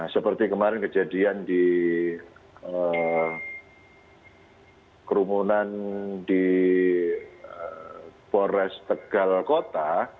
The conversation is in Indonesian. seperti kemarin kejadian di kerumunan di polres tegal kota